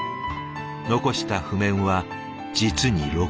残した譜面は実に６万曲。